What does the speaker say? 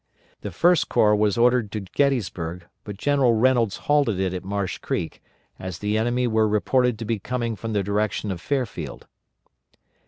The First Corps was ordered to Gettysburg, but General Reynolds halted it at Marsh Creek, as the enemy were reported to be coming from the direction of Fairfield.